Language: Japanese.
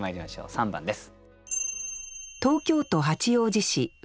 ３番です。